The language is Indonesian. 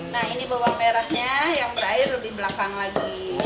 nah ini bawang merahnya yang berair lebih belakang lagi